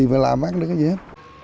phải làm hết được cái gì hết